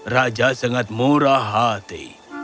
raja sangat murah hati